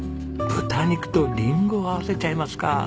豚肉とリンゴを合わせちゃいますか。